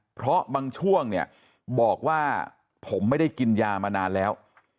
เพราะบางช่วงเนี่ยบอกว่าผมไม่ได้กินยามานานแล้ว